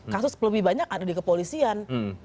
kasus lebih banyak ada di kepolisian